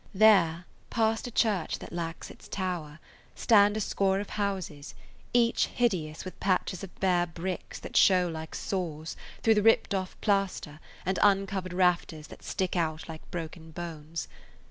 There, past a church that lacks its tower, stand a score of houses, each hideous with patches of bare bricks that show like sores through the ripped off plaster and uncovered rafters that stick out like broken bones.